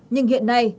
nhưng hiện nay